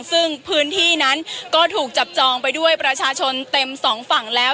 ซึ่งพื้นที่นั้นก็ถูกจับจองไปด้วยประชาชนเต็มสองฝั่งแล้ว